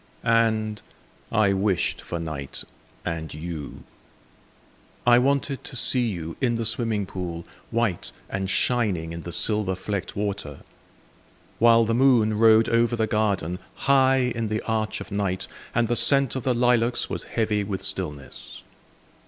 And I wished for night and you. I wanted to see you in the swimming pool, White and shining in the silver flecked water. While the moon rode over the garden, High in the arch of night, And the scent of the lilacs was heavy with stillness.